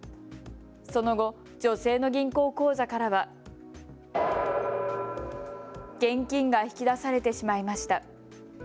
その後、女性の銀行口座からは。現金が引き出されてしまいました。